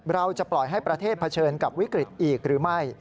เราจะปล่อยให้ประเทศเผชิญกับวิกฤตอีกหรือไม่